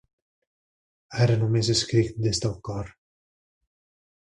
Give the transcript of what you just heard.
Ara només escric des del cor.